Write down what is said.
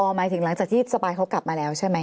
หมายถึงหลังจากที่สปายเขากลับมาแล้วใช่ไหม